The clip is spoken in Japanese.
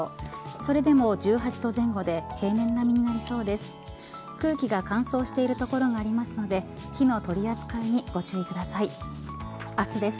それでも１８度前後で平年並みになりそうです。